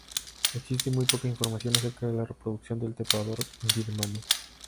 Existe muy poca información acerca de la reproducción del trepador birmano.